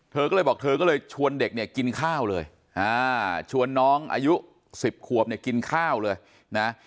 เธอก็เลยบอกเธอก็เลยชวนเด็กเนี่ยกินข้าวเลยชวนน้องอายุ๑๐ขวบเนี่ยกินข้าวเลยนะ